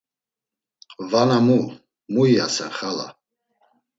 “Vana mu? Mu iyasen xala?”